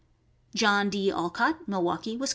John D. Olcott, Milwaukee, Wis.